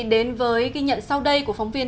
đến với ghi nhận sau đây của phóng viên